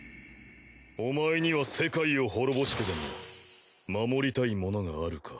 お前には世界を滅ぼしてでも守りたいものがあるか？